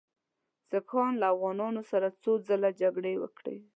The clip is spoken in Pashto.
سیکهانو له افغانانو سره څو ځله جګړې وکړې.